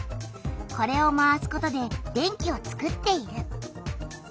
これを回すことで電気をつくっている。